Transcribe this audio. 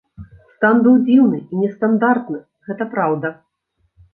Стан быў дзіўны і нестандартны, гэта праўда.